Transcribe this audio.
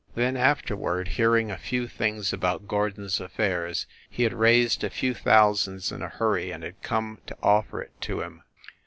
Then, afterward, hearing a few things about Gordon s affairs, he had raised a few thou sands in a hurry and had come to offer it to him